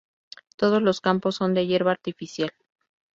Todos los campos son de hierba artificial.